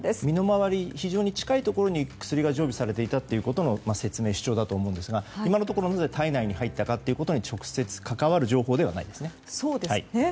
身の回り非常に近いところに薬が常備されていたという説明、主張だと思うんですが今のところどう体内に入ったかという直接関わる情報ではないですね。